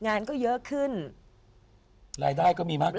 งานก็เยอะขึ้นรายได้ก็มีมากขึ้น